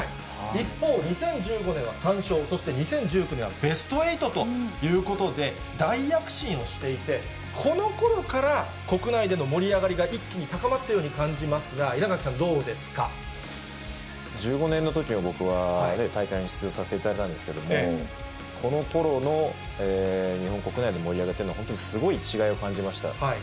一方、２０１５年は３勝、そして２０１９年はベスト８ということで、大躍進をしていて、このころから、国内での盛り上がりが一気に高まったように感じますが、稲垣さん、１５年のときは、僕は大会に出場させていただいたんですけど、このころの日本国内の盛り上がりっていうのは、本当にすごい違いを感じました。